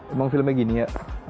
emang filmnya gini ya